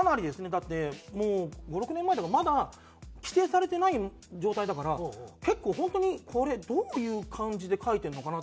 だってもう５６年前だからまだ規制されてない状態だから結構本当にこれどういう感じで書いてるのかな？